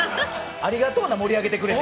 ありがとうな、盛り上げてくれて。